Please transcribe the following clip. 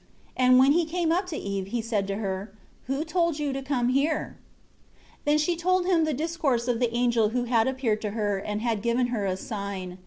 And when he came up to Eve he said to her, "Who told you to come here?" 13 Then she told him the discourse of the angel who had appeared to her and had given her a sign.